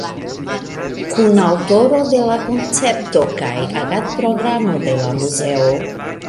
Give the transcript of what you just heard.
Kunaŭtoro de la koncepto kaj agad-programo de la muzeo.